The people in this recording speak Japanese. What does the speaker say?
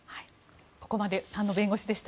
ここまで菅野弁護士でした。